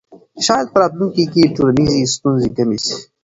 شاید په راتلونکي کې ټولنیزې ستونزې کمې سي.